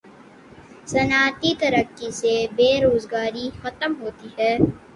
صنعتی ترقی سے بے روزگاری ختم ہوتی ہے